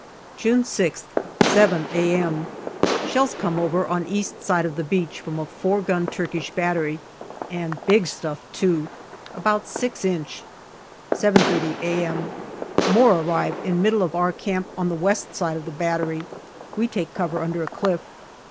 June 6th, 7 a.m. Shells come over on east side of the beach from a four gun Turkish battery, and big stuff too, about 6 inch. 7.30 a.m. More arrive in middle of our camp on the west side of the battery. We take cover under a cliff.